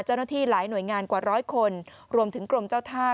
เจ้าหน้าที่หลายหน่วยงานกว่าร้อยคนรวมถึงกรมเจ้าท่า